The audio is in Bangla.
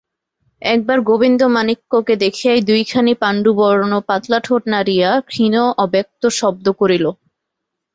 একবার গোবিন্দমাণিক্যকে দেখিয়াই দুইখানি পাণ্ডুবর্ণ পাতলা ঠোঁট নাড়িয়া ক্ষীণ অব্যক্ত শব্দ করিল।